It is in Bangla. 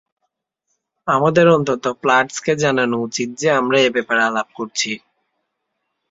আমাদের অন্তত প্লাটসকে জানানো উচিত যে আমরা এ ব্যাপারে আলাপ করছি।